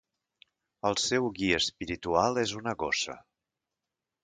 El seu guia espiritual és una gossa.